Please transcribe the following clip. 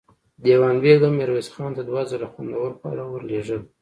دېوان بېګ هم ميرويس خان ته دوه ځله خوندور خواړه ور لېږل.